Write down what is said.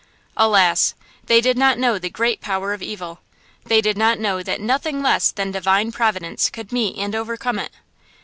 Alas! they did not know the great power of evil! They did not know that nothing less than Divine Providence could meet and overcome it.